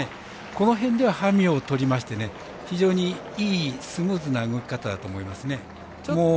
この辺では、馬銜をとりまして、非常にいいスムーズな動きだと思います。